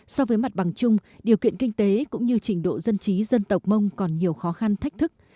so với mặt bằng chung điều kiện kinh tế cũng như trình độ dân trí dân tộc mông còn nhiều khó khăn thách thức